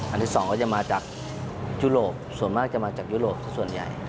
ที่สองก็จะมาจากยุโรปส่วนมากจะมาจากยุโรปส่วนใหญ่